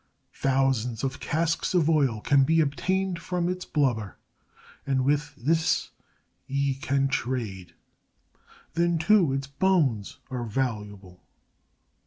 Thousands of casks of oil can be obtained from its blubber, and with this ye can trade. Then, too, its bones are valuable."